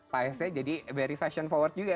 paesnya jadi very fashion forward juga